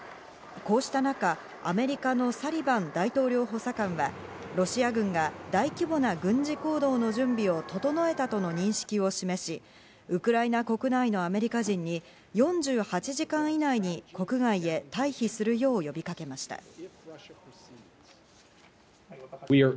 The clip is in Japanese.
こうした中、アメリカのサリバン大統領補佐官はロシア軍が大規模な軍事行動の準備を整えたとの認識を示し、ウクライナ国内のアメリカ人に４８時間以内に国外へ退避するよう呼びかけました。